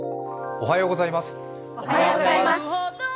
おはようございます。